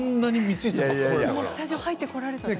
スタジオに入って来られたときから。